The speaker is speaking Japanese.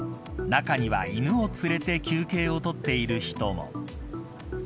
中には犬を連れて休憩を取っている人も。